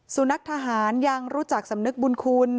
สุนัขทหารยังรู้จักสำนึกบุญคุณ